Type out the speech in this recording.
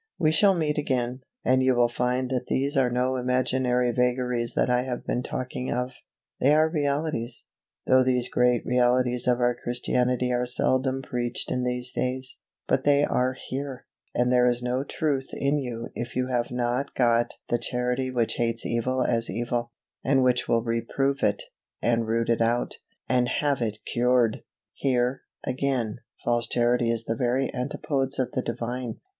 "We shall meet again, and you will find that these are no imaginary vagaries that I have been talking of; they are realities though these great realities of our Christianity are seldom preached in these days; but they are here, and there is no truth in you if you have not got the Charity which hates evil as evil, and which will reprove it, and root it out, and have it cured!" Here, again, false Charity is the very antipodes of the Divine.